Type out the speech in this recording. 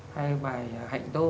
hay bài hạnh tô